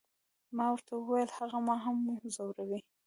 ما ورته وویل، هغه ما هم ځوروي.